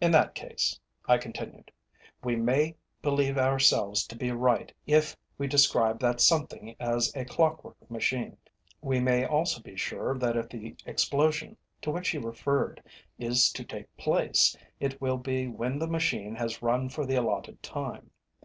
"In that case," I continued, "we may believe ourselves to be right if we describe that something as a clock work machine. We may also be sure that if the explosion to which he referred is to take place, it will be when the machine has run for the allotted time.